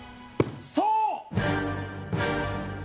そう！